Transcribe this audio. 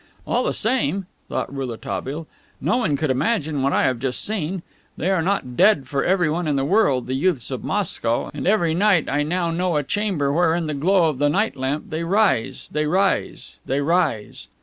"All the same," thought Rouletabille, "no one could imagine what I have just seen. They are not dead for everyone in the world, the youths of Moscow, and every night I know now a chamber where in the glow of the night lamp they rise they rise they rise!"